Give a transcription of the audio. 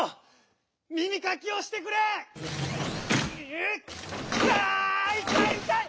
ううっあいたいいたい！